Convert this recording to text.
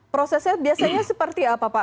prosesnya biasanya seperti apa pak